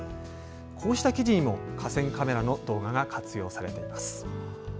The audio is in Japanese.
こうした記事にも河川カメラの動画が活用されています。